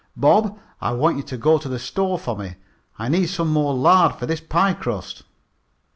"Bob, I want you to go to the store for me. I need some more lard for this pie crust."